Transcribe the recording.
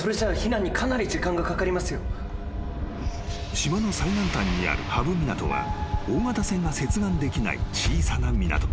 ［島の最南端にある波浮港は大型船が接岸できない小さな港］